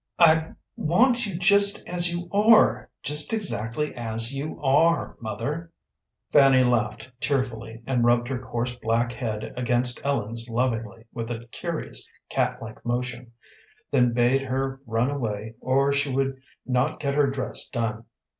"I want you just as you are, just exactly as you are, mother." Fanny laughed tearfully, and rubbed her coarse black head against Ellen's lovingly with a curious, cat like motion, then bade her run away or she would not get her dress done.